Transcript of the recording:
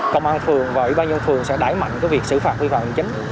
công an phường và ủy ban nhân phường sẽ đáy mạnh việc xử phạt vi phạm chính